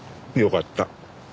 よかった。